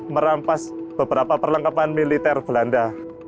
merampas beberapa perlengkapan militer belanda